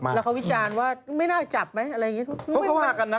แล้วเขาวิจารณ์ว่าไม่น่าจะจับไหมอะไรอย่างนี้